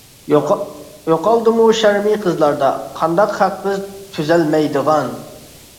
يوقالدىمۇ شەرمى قىزلاردا، ؟ قانداق خەق بىز تۈزەلمەيدىغان.